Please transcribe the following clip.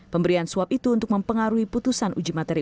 pemberian suap itu untuk mempengaruhi putusan uji materi